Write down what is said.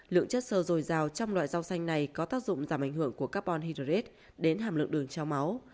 lượng chất sơ dồi dào trong loại rau xanh này có tác dụng giảm ảnh hưởng của carbon hyderte đến hàm lượng đường trao máu